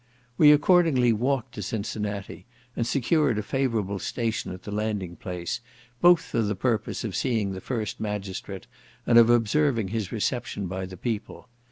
We accordingly walked to Cincinnati, and secured a favourable station at the landing place, both for the purpose of seeing the first magistrate and of observing his reception by the people.